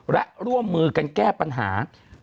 และร่วมมือกันแก้ปัญหา